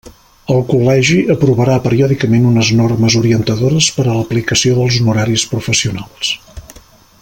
El Col·legi aprovarà periòdicament unes normes orientadores per a l'aplicació dels honoraris professionals.